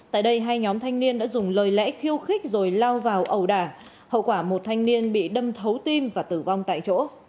tại đây hai nhóm thanh niên đã dùng lời lẽ khiêu khích rồi lao vào ẩu đả hậu quả một thanh niên bị đâm thấu tim và tử vong tại chỗ